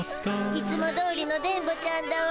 いつもどおりの電ボちゃんだわ。